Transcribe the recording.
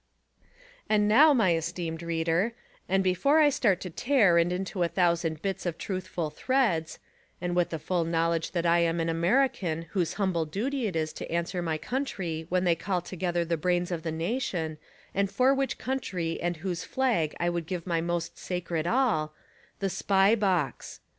And now, my esteemed reader, and before I start to tear and into a thousand bits of truthful threads— (and with the full knowledge that I am an American whose humlDle duty it is to answer my country When they call together the brains of the nation, and for which country and whose flag I would give my most sacred all) the Spy Box